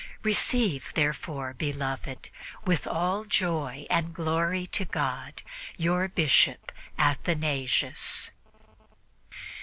Receive, therefore, beloved, with all joy and glory to God, your Bishop Athanasius."